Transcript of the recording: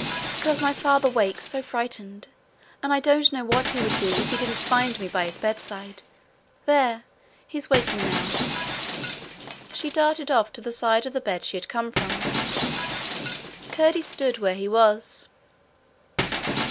'Because my father wakes so frightened, and I don't know what he would do if he didn't find me by his bedside. There! he's waking now.' She darted off to the side of the bed she had come from. Curdie stood where he was.